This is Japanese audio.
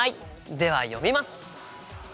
では読みます！